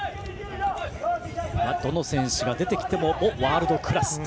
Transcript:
どの選手が出てきてもワールドクラス。